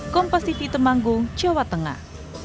kompas tv temanggung jawa tengah